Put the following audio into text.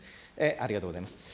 ありがとうございます。